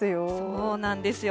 そうなんですよ。